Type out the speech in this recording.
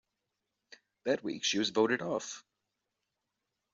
That week, she was voted off.